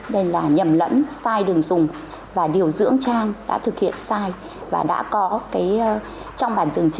đây là nhầm lẫn sai đường dùng